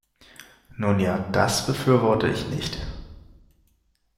Nun ja, das befürworte ich nicht.